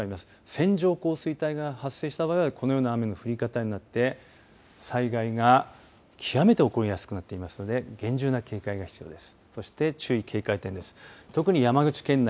線状降水帯が発生した場合はこのような雨の降り方になって災害が極めて起こりやすくなっていますので厳重な警戒が必要です。